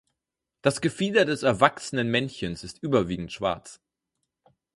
Das Gefieder des erwachsenen Männchens ist überwiegend schwarz.